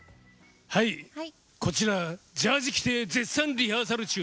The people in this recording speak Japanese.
こちらジャージ着て絶賛リハーサル中！